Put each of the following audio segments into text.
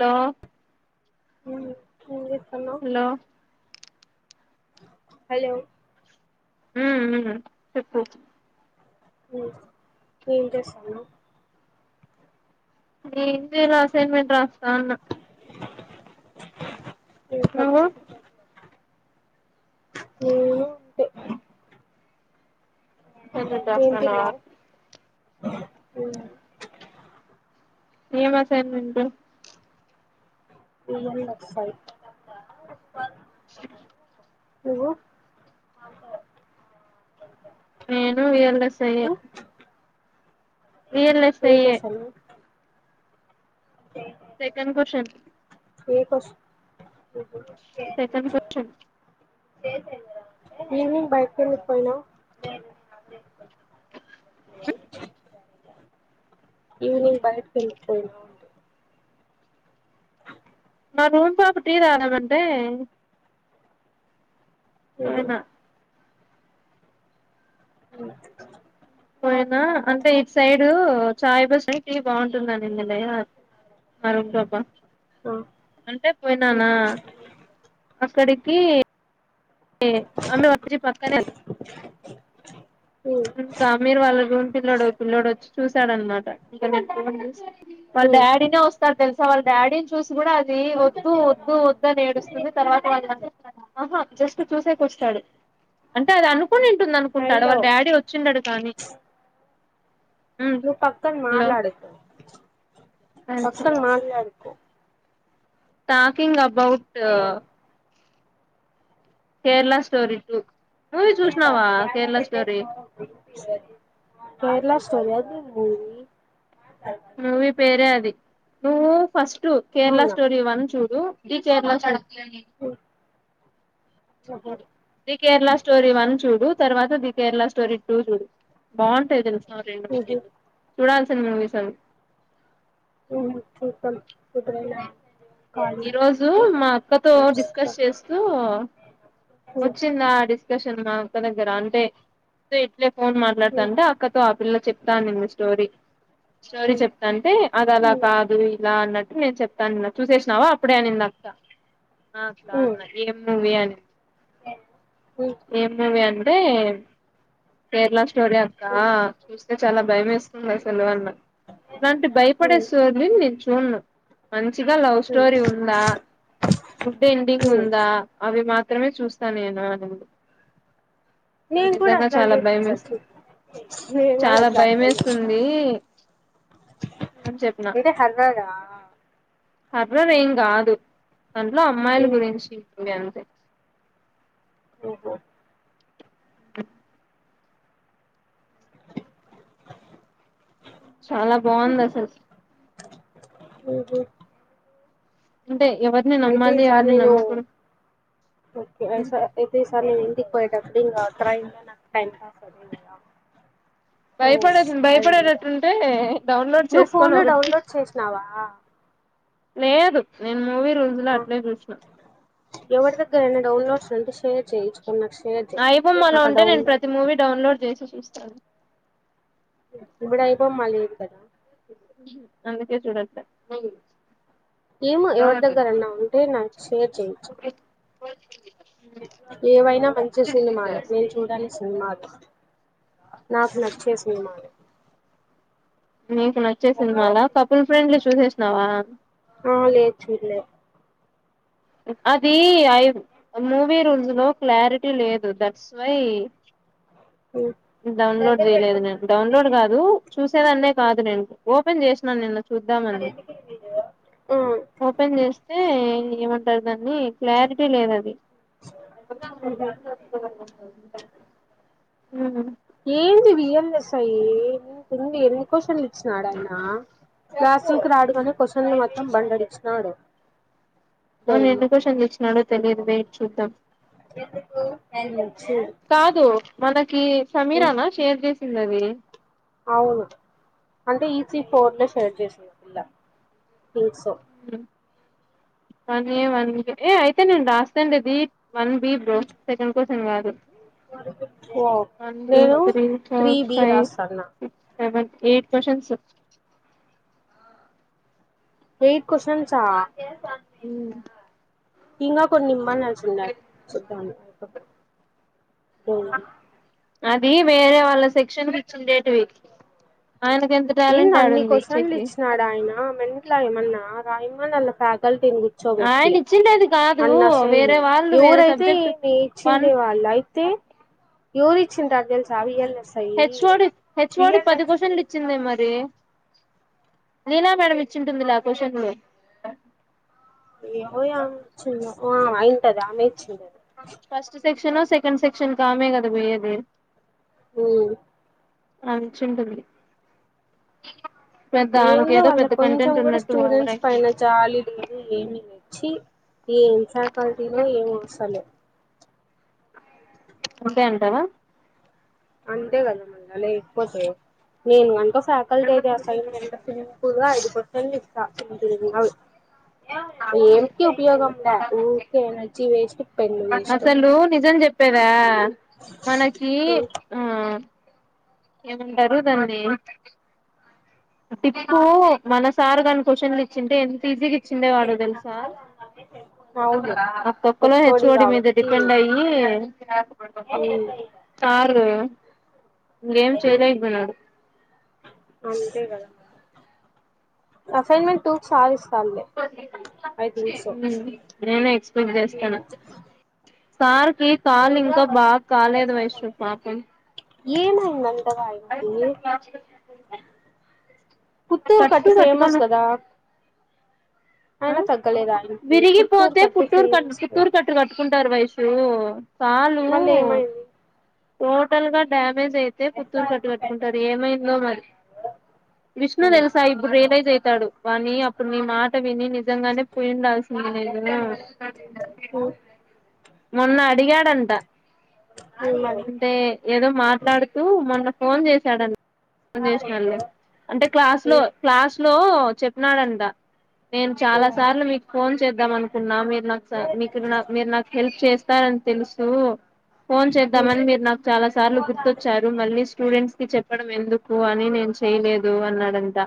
లో [unintelligible] hello hello ఉ ఉ చెప్పు ఉమ్ ఎంచేస్తున్నావ్ నేను ఏంచేయాలే అసైన్మెంట్ రాస్త ఉన్న నింత చేపించాను నేను పె అసైన్మెంట్ రాస్తున్నావా ఉ అ ఏం అసైన్మెంట్ పిఎన్ వెబ్సైట్ నువ్వు నేను వీరేంద్ర సయ్యద్ ఉమ్ ఏ క్వశ్చను సెకండ్ క్వశ్చన్ ఏ క్వశ్చన్ సెకండ్ కొచన్ ఈవినింగ్ బైటికి ఎందుకు పోయినవు [unintelligible] ఈవినింగ్ బయటికి ఎందుకు పోయినావ్ మా రూమ్ పాపా టీ తాగుదాం అంటే ఏదో అ [inaudible] పోయినా అంటే ఇట్సైడు చాయ్ బస్ అని టీ బాగుంటుందని ఇన్నలయ [unintelligible] మరో పాపా అంటే ఉమ్ పోయినానా అక్కడికి ఏ ఆమె వచ్చి పక్కనే ఇంకా మీరు వాళ్ళ పిల్లోడు పిల్లోడు చూస్ సడన్నమాట వాళ్ళ ఉమ్ డాడీనే వస్తారు తెలుసా వాళ్ళ డాడీని చూసి కూడా అది వద్దు వద్దు వద్దు అని ఏడుస్తుంది తర్వాత వాళ్ళని ఆహా జస్ట్ చూసేకి ఒస్తాడు అంటే అది అను ఉంటు అనుకుంటా హలో వాళ్ళ డాడీ వాచ్ కానీ ఉమ్ నువ్వు పక్కన హలో మాట్లాడొద్దు పక్కన మాట్లాడకు talking govt Kerala story two movie చూసినావా కేరళ స్టోరీ కేరళాస్ సని మూవీ మూవీ పేరే అది ఉహూ్ ఫస్ట్టు కేరళ అవునా స్టోరీ వన్ చూడు ఊ ది కేరళ స్టోరీ [unintelligible] ఆహా చూడాలి ది కేరళ స్టోరీ వన్ చూడు తర్వాత ది కేరళ స్టోరీ టూ చూడు బావుంటయి తెలుసా సేదు ఉహు [unintelligible] చూడాలసిన మూవీస్ అవి ఉహు చూద్దాం ఎప్పుడైనా ఈ ఖాళీగా రోజు ఉంటే మా అక్కతో చూస్తా డిస్కస్ చేస్తూ ఉ వచ్చింది ఆ డిస్కషన్ మాక్క దగ్గర అంటే ఇట్లే ఫోన్ ఉ మాట్లాడతాంటే అక్కతో పిల్ల చెప్తానింది స్టోరీ ఉ స్టోరీ ఉ చెప్తా అంటే అది అలా ఉ కాదు ఇలా అన్నట్టు నేను చెపుతాన్న చూసేసి ఆవ్ అప్పుడే అనింది అక్క అ అక్కాన్న ఉ ఏం మూవీ అనింది ఏం మూవీ అనింది అంటే కేరళ స్టో స్టోరీ అక్క చూస్తు చాలా భయమేస్ భయమేస్తుంది అసలు అన్న అట్లాంటి ఉ భయపడే ఉ స్టోరీ చూడను మంచిగా స్టోరీ ఉందా గుడ్ ఎండింగ్ ఉ ఉందా అవి మాత్ సగమే చూస్తా నేను అనే ముందు నేను కూడా అట్లాంటివి తెలుసా చూసేది నేను చాలా భయం అట్లాంటివే చూస్తా వేస్తుంది అని చెప్పిన అంటే హారరా హార్రర్ ఎం కాదు దాంట్లో అమ్మాయిల గురించి ఉంది అంతే ఓహో చాలా బాగుంది అసలకి ఉహుం అంటే ఎవరిని అయితే ఈ నమ్మాలి సార్ ఎవరిని నేను నమ్మకూడదు ఒకే అయిసె అయితే ఈ సార్ నను ఇంటికి పోయిటప్ అదే ఇంగ ఆ ట్రైన్ల నాకు టైమ్ పాస్ అయితది కదా సో భయపడకు ఐ విల్ డౌ- భయపడేటట్టుంటే డౌన్లోడ్ నువ్వు చేసుకొని ఫోన్లో ఒకటికి డౌన్లోడ్ చేసినావా ఆ లేదు నేను మూవి రూల్స్లోఅప్పుడే చూసిన ఎవడి దగ్గరైన డౌన్లలోడ్స్ ఉంటే షేర్ చేయి నాకు షేర్ చేయి ఐబొమ్మలో నాకు ఆ ఉంటే నేను డౌన్లోడ్ ప్రతి రాదు మూవీ డౌన్లోడ్ చేసి చూస్తాను ఇప్పుడ ఐబొమ్మ లేదు కదా అందుకే చూడట్లే ఏమో ఎవరి దగ్గరన్నా ఉంటే నాకు షేర్ చేయించు పో [unintelligible] ఏవైనా మంచి సినిమాలు నేను చూడాలి సినిమాలు నాకు నచ్చే సినిమాలు నీకు నచ్చే సినిమాల కపుల్ ఫ్రెండ్లీ చూశేష్ [unintelligible] ఆ లేేదు చూలే అదీ, ఐ మూవీ రూల్స్ లో క్లారిటీ లేదు, దట్స్ వై మ్మ్ డౌన్లోడ్ చేయలేదు, నేను డౌన్లోడ్ కాదు. చూసేదాన్నే కాదు నేను, ఓపెన్ చేసిన నిన్న. చూద్దామంది, మ్మ్ ఓపెన్ చేస్తే ఏమన్ తేలుద్దాం. నీ క్లారిటీ లేదు అది. మ్మ్ ఉమ్ హు. ఏంటిది? ఎందస్సల్? ఎన్ని ఎన్ని క్యూషన్లు స్టార్టఅయిందా? క్లాస్రూంకి రాడు గని, క్వశ్చన్లు మొత్తం బండెడిచ్చినాడు. అవును ఎన్ని క్యూషన్లు ఇచ్చినాడో? తెలీదు, వెయిట్ చూద్దాం. మొఖం కాదు, మనకి సమీరానా షేర్ చేస్ తిన్నది. అవును, అంటే ఈసీ [unintelligible] షేర్ చేస్తదాపిల్ల. ఉమ్ so one A, one B. A అయిపోయింది, రాస్తాంది B one bro, second question కాదు. ఓ, వన్ టూ నేను three three four B five రాస్తాన్నా. Six seven, eight questions. Eight కోష్న్సా? ఉమ్ ఇంగా ఫ్ కొన్నిమ్మనాల్సింది అ [unintelligible] ఉమ్ అదీ, వేరే వాళ్ళ సెక్షన్కి ఇచ్చిండేటివి. ఆయనకు ఎంత ఏంది టాలెంట్ అన్ని ఆడుంది క్వశ్చన్లు ఇచ్చేకి ఇచ్చినాడాయన? మెంట్లా ఏమన్నా? [unintelligible] అల్ల ఫ్యాకల్ ఆయన ఇచ్చిండేది కాదు వేరే వాళ్ళు వేరే ఎవ్వురైతే సబ్జెక్ట్ ఏందీ, వన్ ఇచ్చింది వాళ్ళయితే? ఎవరు ఇచ్చుంటారు తెలుసా, V L S I? HOD V HOD L పది ఎస్ క్వశ్చన్లు ఇచ్చింది లీలా మేడం ఇచ్చింటుందిలే, ఆ క్యూస్షన్లు. ఏవో ఇగ, ఆమె ఏంఇచ్చిందో? ఆ, అయింటది, ఆమె ఇ ఇచ్చుంటది. ఫస్ట్ సెక్షన్, సెకండ్ సెక్షన్కామే కదా పోయేది. ఉమ్ ఆమె ఇచ్చింటున్ది. ఏంటో వాళ్ళకొంచెం కూడా ఉన్నట్టు ఓవర్ స్టూడెంట్స్ యాక్షన్ పైన జాలి లేదు, ఏమి లేదు చ్చి. ఈ ఏం ఫ్యాకల్టీ లో ఏం ఉం [unintelligible] ఉంటే ఉంటావా అంతే కదా మళా లేకపోతే నేను వంట ఫ్యాకల్టీ అయితే ఎం సింపుల్గా అయిపోంది కంత అవును ఏంకి ఉపయోగం లే ఊకే ఎనర్జీ వేస్ట్ పెన్ను వేస్ట్ అసలు నువ్ నిజం చెప్పు చెప్పేదా మనకి ఆ ఏవంతారు దానిని టిప్పు మన సార్ కాని క్వశ్చన్ లు ఇచ్చింటే ఎంత ఈజీగా వచ్చిండేవాడు తెలుసా అవును ఆ తొక్కలో హెచ్ హెచ్ఓడి ఒడి మీద కాబట్టి డిపెండ్ అయ్యి అ కార్ ఏం చెయలే ఇప్పటివరకు అసాన్మెంట్ టు సారి ఉ నేను ఎక్స్పెక్ట్ చేస్తాను సార్ కానీ ఇంకా బాగా కాలేదు వైష్ణవ్ పాపం ఏమైందంతగా ఆయనకి పుత్తూరు కట్టు ఫేమస్ కదా ఆ అయనా తగ్గలేదు ఆయనకి కుత్తూరు కట్టు ఫేమస్ కదా కుంటారు వయసు పాలు మళ్ళీ ఏమైంది టోటల్ గా డామ్ రిజ్ అయితే పుత్తూరు కట్టు కట్టుకుంటారు ఏమైందో మరి విష్ణు ఉమ్. తెలుసా ఇప్పుడు రియలైజ్ అవుతాడు వాని అప్పుడు నీ మాట విని నిజంగానే పోయి ఉండాల్సింది నేను నిజమే ఉమ్. మొన్న అడిగాడంట ఉమ్, మరి అంటే ఏదో మాట్లాడుతూ మొన్న ఫోన్ చేశారంట చేసళ్ళ అంటే క్లాస్ లో ఉమ్, క్లాస్ లో చెప్పినారంట నేను చాలా సార్లు మీకు ఫోన్ చేద్దాం అనుకున్నా మీ అచ్చ మీకు నా మీరు నాకు హెల్ప్ చేస్తార అని తెలుసు ఊ ఫోన్ చే ఉమ్, ఉమ్, ద్దామని మీరు నాకు చాలా సార్లు గుర్తొచ్చారు. మళ్ళీ స్టూడెంట్స్ కి చెప్పడం ఎందుకు అని నేను చెయలేదు అన్నాడంటా.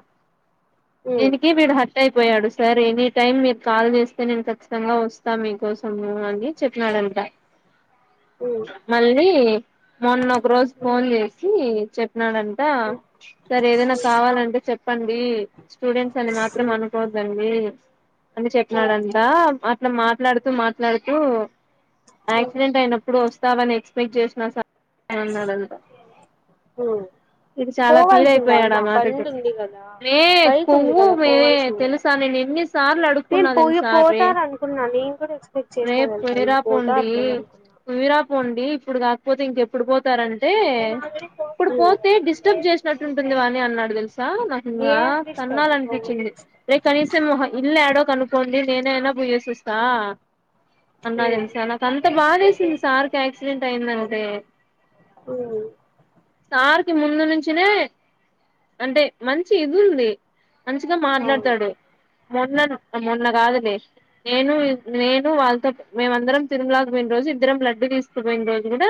ఉమ్, దీనికి వీడు హట్ అయిపోయాడు సార్ ఎనీ టైమ్ మీరు కాల్ చేస్తే నేను ఖచ్చితంగా వస్తా మీకోసము అని చెప్పినాడంట. ఉమ్, ఉమ్, మళ్ళీ మొన్న రోజు ఫోన్ చేసి న్నాడంట ఉమ్, సరే ఏదైనా కావాలంటే చెప్ప ప్పండి స్టూడెంట్స్ అని మాత్రం ఉమ్, అనుకోవద్దండి. అని చెప్పినాడంటా అ అట్లా మాట్లాడుతూ మాట్లాడుతూ ఉమ్, యాక్సిడెంట్ అయినప్పుడు వస్ ఎక్స్పెక్ట్ చేసిన స అన్నాడంటా ఉమ్. వీడు చాలా ఫీల్ పోవాల్సిందే అయిపోయాడు అయినా ఆ మాటకి బండి ఉంది కదా రే బైక్ ఉంది కొవ్వు కదా వెరే పోవాల్సిందా తెలుసా నేను ఎన్ని సార్లు అడుకున్నా నేను పోయి తెలుసా రే పోతారు అనుకున్నా నేను కూడా ఎక్స్పెక్ట్ రే చేసినా తెలుసా పోయిరా వీళ్ళు పోండి పోతారులే అనుకున్నా పోయిరా. ఇప్పుడు కాకపోతే ఇంకెప్పుడు పోతే అంటే ఇప్పుడు పోతే డిస్టర్బ్ చేసినట్టు ఉంటుంది వాని అన్నాడు ఉమ్. తెలుసా నాకింకా ఏదిస్తారు గోవులు తన్నాలనిపించింది రే కనీసం మొహ ఇల్లు ఏడో కనుకోండి నేనైనా పోయ్యేసి వస్తా. అన్నాగ తెలు ఉమ్ సార్ నాక అంత బాద వేసింది సార్ రెంట్ అయిందంటే ఉమ్ స ఆరికి ముందు నుంచనే అంటే మంచి ఇది ఉంది. మంచిగా అవును మాట్లాడతాడు. మొన్నను మొన్న కాదులే నేను నేను వాళ్ళతో మేమందరం తిరుమలా పోయిన రోజు ఇద్దరం లడ్డు తీసు శుగందజ కదా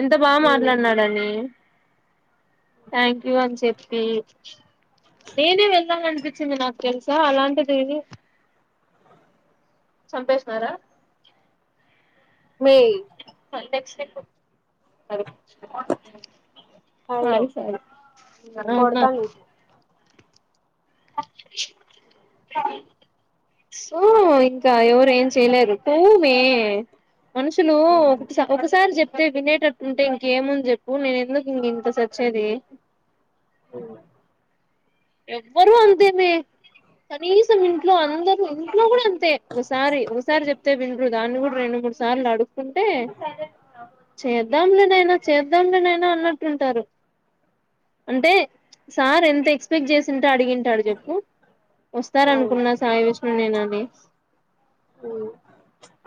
ఎంత బాగా ఉమ్ మాట్లాడినాడని థ్యాంక్ యూ అని చెప్పి నేనే వెల్లాలనిపించింది నాకు తెల్స అక్క అలాంటిది ఏది చంపేసినారా మే [unintelligible] సరే హలో సారి సారి నాన్నా కొడతా నీకు [unintelligible] సో ఇంకా ఎవరు ఏం చేయలేరు పోవే. మనుషులు ఉమ్ ఒకటి ఒకసారి చెప్ అయితే వినేటట్టుంటే ఇంకేముంది చెప్పు నేను ఎందుకు ఇంక ఇంత చచ్చేది. ఓ ఎవ్వరు అంతేమే కనీసం ఇంట్లో అందరూ ఇంట్లో కూడా అ తే ఒకసారి ఒకసారి చెప్తే విండ్రు దాన్ని కూడా రెండు మూడు సార్లు అడుగుకుంటే చేద్దాంలేనైనా చేద్దాంలేనైనా అన్నట్టుంటారు. అంటే సార్ ఎంత ఎక్స్ పెక్ట్ చేసిం అడిగింటాడు చెప్పు వస్తార అవును అనుకున్నా సాయి విష్ణు నేను మే ఉమ్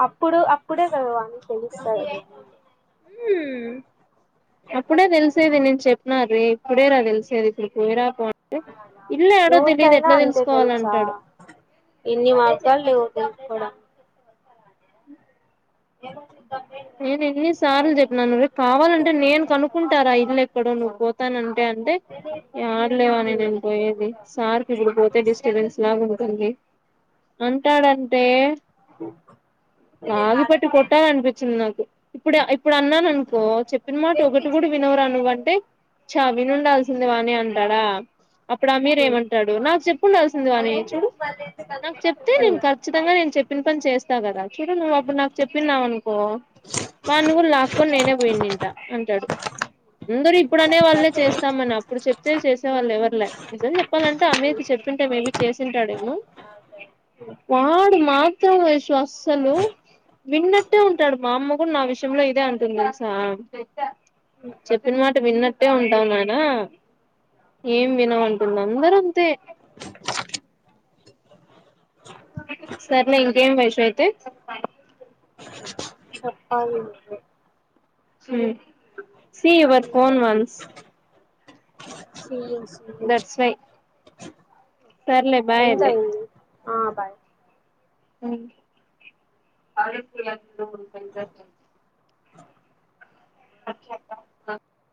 అప్పుడు అప్పుడే కద వానికి తెలుస్తాది అప్పుడే తెలిసేది నేను చెప్పిన రే ఇప్పుడే రా తెలిసేది ఇప్పుడు పోయిరా పో ఇల్లు ఏడో తెలియదు ఎవర్కైనా ఎట్లా అంతే తెల్సా తెలుసుకోవాలంటాడు ఇన్నిమాయిత లేవు డా ఏ నేను ఎన్ని సార్లు చెప్పినాను రేపు కావాలంటే నేను కనుకుంటారా ఇల్లు ఎక్కడో నువ్వు పోతానంటే అంటే ఆడలేవా అని ఉమ్ నేను పోయేది సార్కి ఇప్పుడు పోతే డిస్టబెన్స్ లాగా ఉంటుంది. అంటాడంటే ఇద లాగి పట్టి నాటకలేదు కొట్టాలనిపించింది నాకు ఇప్పుడు ఇప్పుడు అన్నాను అనుకో చెప్పిన మాట ఒకటి కూడా వినవు రా నువ్వ అంటే చ వినుండాల్సింది వాని అంటా అ అప్పుడు అమీర్ ఉమ్ ఏమంటాడు నాకు చెప్పి ఉండాల్సింది వాణి చూడు నాకు చెప్తే ఉమ్ నేను ఖచ్చితంగా నేను చెప్పిన పని చేస్ ఇస్త కదా చూడు నువ్వు అప్పుడు నాకు చెప్పినావు అను కో వాన్ని కుడ్ లాక్ క్కొని నేనే పోయిందింట అంటాడు అందరీ ఇప్పుడు అనే వాళ్ళే చేస్తామని అప్పుడు చెప్తే చేసే వాళ్ళు ఎవరిలే నిజం చెప్పాలంటే అమె చెప్పింటే మే బి చేసింటాడేమో వాడు మా త్త వయసు అసలు విన్న అట్టే ఉంటాడు మా అమ్మ కూడా నా విషయంలో ఇదే అంటుంది తెలుసా చెప్పిన మాట విన్నట్టే ఉంటాం నాయనా ఏం వినవు అంటుంది అందరూ అంతే సర్లే ఇంకేం వైషు అయితే చెప్పాలి నువ్వే see your phone once seeing క్షమించు దట్స్ వై సర్లే బాయ్ అండి అయింది ఆ బాయ్ హా అ